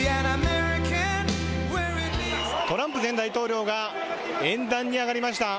トランプ前大統領が演壇に上がりました。